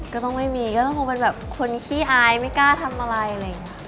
ก็ต้องไม่มีก็ต้องคงเป็นแบบคนขี้อายไม่กล้าทำอะไรอะไรอย่างนี้